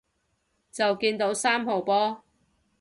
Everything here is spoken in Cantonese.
就見到三號波